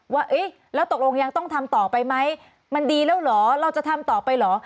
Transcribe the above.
ว่าแล้วตกลงยังต้องทำต่อไปไหมมันดีแล้วเหรอเราจะทำต่อไปเหรอ